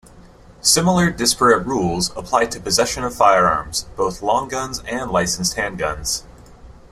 Similar disparate rules apply to possession of firearms, both long guns and licensed handguns.